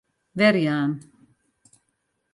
Werjaan.